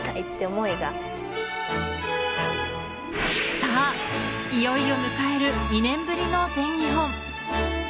さあ、いよいよ迎える２年ぶりの全日本。